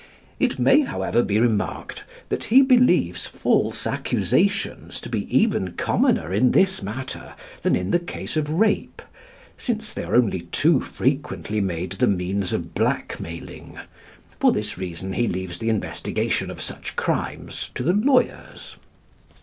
It may, however, be remarked that he believes false accusations to be even commoner in this matter than in the case of rape, since they are only too frequently made the means of blackmailing. For this reason he leaves the investigation of such crimes to the lawyers.